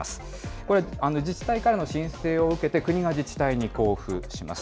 これ、自治体からの申請を受けて、国が自治体に交付します。